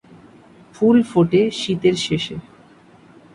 ফুল ফোটে শীতের শেষে।